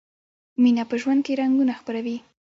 مینه په ژوند کې رنګونه خپروي.